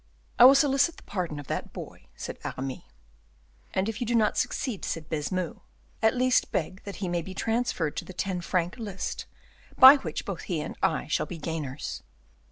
"I will solicit the pardon of that poor boy," said Aramis. "And if you do not succeed," said Baisemeaux, "at least beg that he may be transferred to the ten franc list, by which both he and I shall be gainers."